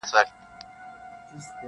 • د یاغي کوترو ښکار ته به یې وړلې -